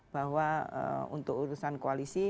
bahwa untuk urusan koalisi